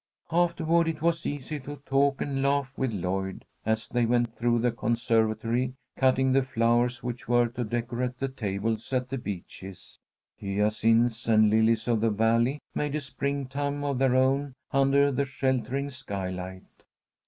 Afterward it was easy to talk and laugh with Lloyd, as they went through the conservatory cutting the flowers which were to decorate the tables at The Beeches. Hyacinths and lilies of the valley made a spring time of their own under the sheltering skylight.